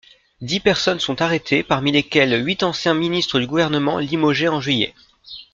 Dix personnes sont arrêtées, parmi lesquelles huit anciens ministres du gouvernement limogé en juillet.